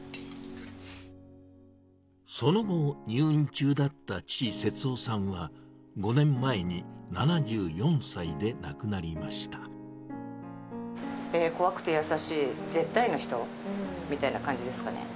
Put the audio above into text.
その後、入院中だった父、節夫さんは、怖くて優しい、絶対の人みたいな感じですかね。